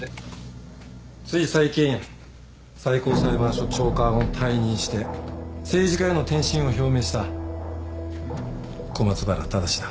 つい最近最高裁判所長官を退任して政治家への転身を表明した小松原忠司だ。